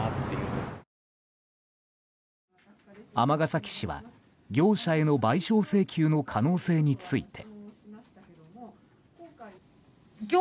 尼崎市は、業者への賠償請求の可能性について。